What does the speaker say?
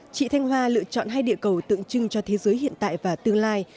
chị thanh hoa lựa chọn hai địa cầu tượng trưng cho thế giới hiện tại và tương lai